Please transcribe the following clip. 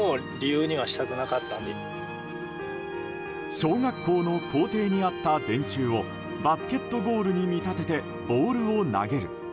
小学校の校庭にあった電柱をバスケットゴールに見立ててボールを投げる。